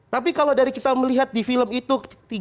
tapi kalau dari kita melihat di film itu